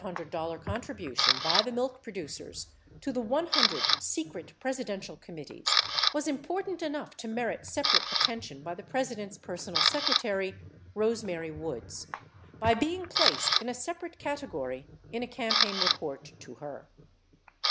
Rose Mary Woods' List The $232,500 contribution by the milk producers to the 100 secret Presidential committees was important enough to merit separate at tention by the President's personal secretary, Pose Mary Woods, by being placed in a separate category in a campaign report to her.